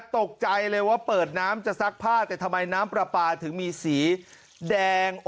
ตกใจเลยว่าเปิดน้ำจะซักผ้าแต่ทำไมน้ำปลาปลาถึงมีสีแดง